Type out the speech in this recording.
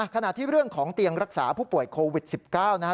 ขณะที่เรื่องของเตียงรักษาผู้ป่วยโควิด๑๙นะฮะ